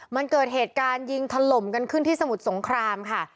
มันเกิดเหตุการณ์ยิงถล่มกันขึ้นที่สมุทรสงครามค่ะ